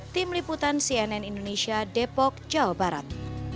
tim liputan cnn indonesia depok jawa barat